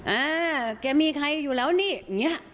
อ่าแกมีใครอยู่แล้วนี่อย่างนี้